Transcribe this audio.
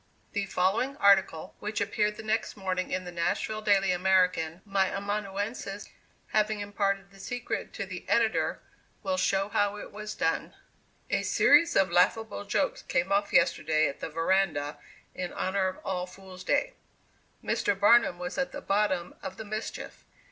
The following article, which appeared the next morning in the Nashville Daily American, my amanuensis having imparted the secret to the editor, will show how it was done: "A series of laughable jokes came off yesterday at the Veranda in honor of All Fools' Day. Mr. Barnum was at the bottom of the mischief.